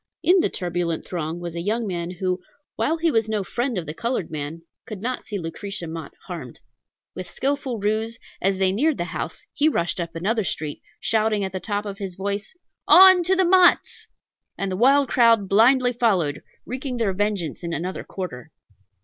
In the turbulent throng was a young man who, while he was no friend of the colored man, could not see Lucretia Mott harmed. With skilful ruse, as they neared the house, he rushed up another street, shouting at the top of his voice, "On to Motts!" and the wild crowd blindly followed, wreaking their vengeance in another quarter.